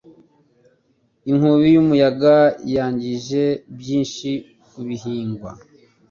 Inkubi y'umuyaga yangije byinshi ku bihingwa.